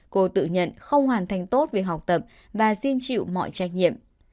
cô tự nhận không hoàn thành tốt việc học tập và xin chịu mọi trách nhiệm